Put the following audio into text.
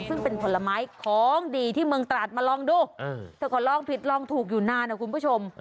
ซึ่งเป็นผลไม้ของดีที่เมืองตราดมาลองดูเธอก็ลองผิดลองถูกอยู่นานนะคุณผู้ชม